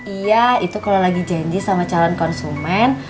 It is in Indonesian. iya itu kalau lagi janji sama calon konsumen